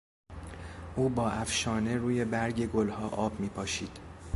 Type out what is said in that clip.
او با افشانه روی برگ گلها آب میپاشید.